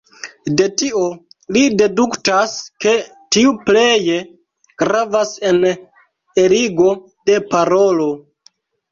De tio li deduktas ke tiu pleje gravas en eligo de parolo.